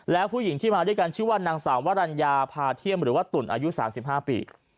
แล้วผู้หญิงที่มาด้วยกันชื่อว่านางสาววรรณญาพาเที่ยมหรือว่าตุ่นอายุ๓๕ปี